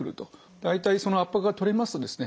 大体その圧迫がとれますとですね